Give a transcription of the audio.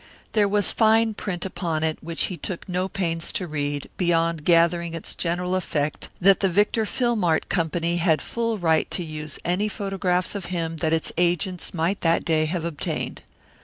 There was fine print upon it which he took no pains to read, beyond gathering its general effect that the Victor Film art Company had the full right to use any photographs of him that its agents might that day have obtained.